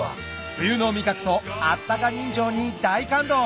冬の味覚とあったか人情に大感動！